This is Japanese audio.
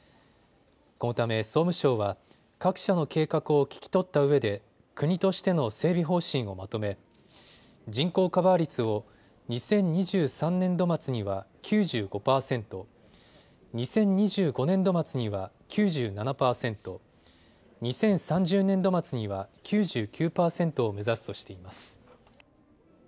このため総務省は各社の計画を聞き取ったうえで国としての整備方針をまとめ人口カバー率を２０２３年度末には９５％、２０２５年度末には９７％、２０３０年度末には９９％を目指すとしています。